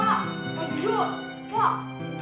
aku tuh yang